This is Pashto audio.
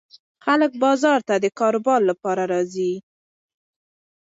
خلک بازار ته د کاروبار لپاره راځي.